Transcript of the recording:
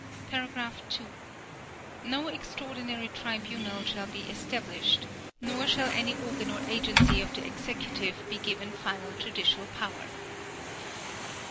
(2) No extraordinary tribunal shall be established, nor shall any organ or agency of the Executive be given final judicial power.